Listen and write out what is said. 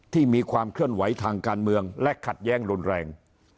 มีความเคลื่อนไหวทางการเมืองและขัดแย้งรุนแรง